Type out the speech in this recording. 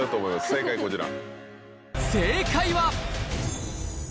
正解はこちら。